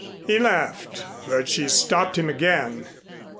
He laughed. But she stopped him again.